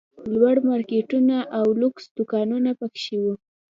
لوړ مارکېټونه او لوکس دوکانونه پکښې وو.